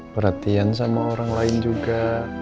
perhatian sama orang lain juga